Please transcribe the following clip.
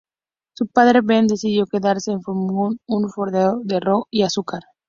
Su padre, Ben, decidió quedarse en Falmouth, un fondeadero de ron y azúcar.